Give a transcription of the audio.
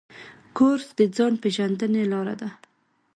کورس د ځان پېژندنې لاره ده.